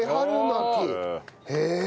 へえ。